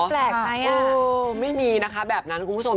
แปลกไหมไม่มีนะคะแบบนั้นคุณผู้ชม